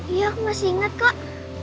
iya masih ingat kak